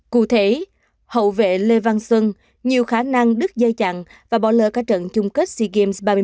cụ thể hậu vệ lê văn xuân nhiều khả năng đứt dây chặn và bỏ lỡ các trận chung kết sea games ba mươi bảy